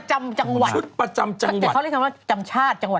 ชุดประจำจังหวัด